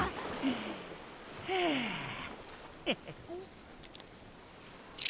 はあヘヘッ。